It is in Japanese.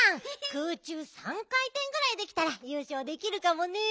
空中３かいてんぐらいできたらゆうしょうできるかもね。